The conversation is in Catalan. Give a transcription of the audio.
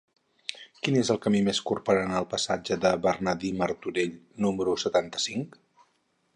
Quin és el camí més curt per anar al passatge de Bernardí Martorell número setanta-cinc?